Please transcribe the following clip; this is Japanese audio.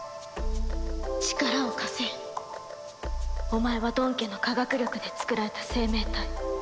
お前はドン家の科学力で作られた生命体。